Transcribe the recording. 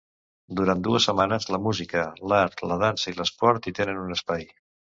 Durant dues setmanes la música, l'art, la dansa i l'esport hi tenen un espai.